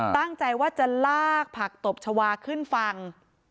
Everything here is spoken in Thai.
ตั้งใจว่าจะลากผักตบชาวาขึ้นฝั่ง